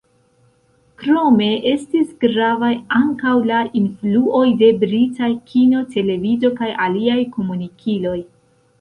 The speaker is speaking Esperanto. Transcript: Krome estis gravaj ankaŭ la influoj de britaj kino, televido kaj aliaj komunikiloj.